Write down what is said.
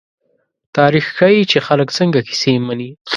تاریخ ښيي، چې خلک څنګه کیسې مني.